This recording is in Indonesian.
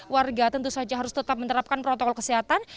warga tentu saja harus tetap menerapkan protokol kesehatan